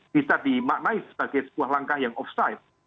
bisa dimaknai sebagai sebuah langkah yang off site